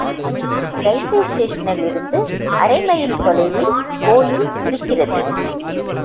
Railway ஸ்டேஷனிலிருந்து அரைமைல் தொலைவில் கோயில் இருக்கிறது.